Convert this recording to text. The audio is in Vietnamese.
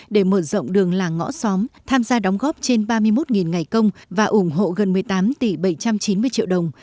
để mở rộng đường làng ngõ xóm tham gia đóng góp trên ba mươi một ngày công và ủng hộ gần một mươi tám tỷ bảy trăm chín mươi triệu đồng